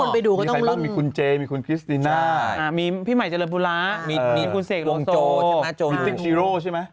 มีใครบ้างมีคุณเจมีคุณคริสติน่ามีพี่ใหม่เจริญปุระมีคุณเสกโลใช่ไหมพี่ติ้นฮีโร่ใช่ไหม